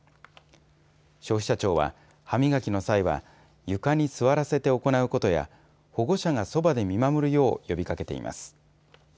消費者庁は歯磨きの際は床に座らせて行うことや保護者がそばで見守るよう呼びかけています。